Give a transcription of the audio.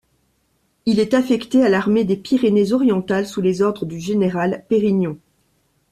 Il est affecté à l'armée des Pyrénées orientales sous les ordres du général Pérignon.